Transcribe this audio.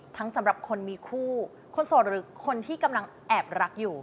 สำหรับคนมีคู่คนโสดหรือคนที่กำลังแอบรักอยู่